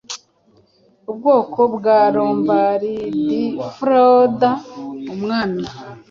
Ubwoko bwa LombardFroda umwami